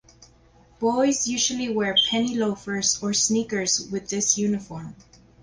Boys usually wear penny loafers or sneakers with this uniform.